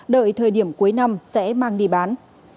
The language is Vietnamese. đợi thời điểm cuối năm sẽ mang đi bán